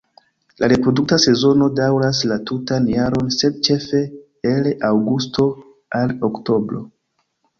La reprodukta sezono daŭras la tutan jaron sed ĉefe el aŭgusto al oktobro.